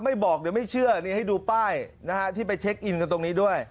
ไม่บอกเดี๋ยวไม่เชื่อนี่ให้ดูป้ายนะฮะที่ไปเช็คอินกันตรงนี้ด้วย